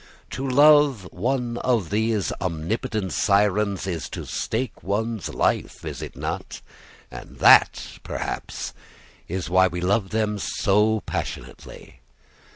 To love one of these omnipotent sirens is to stake one's life, is it not? And that, perhaps, is why we love them so passionately!